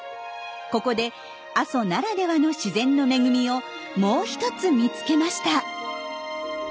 ここで阿蘇ならではの自然の恵みをもう一つ見つけました。